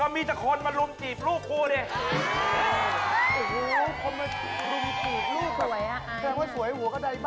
มีคนลุงจีบลูกมารุมกับไม่เคยจะหลอก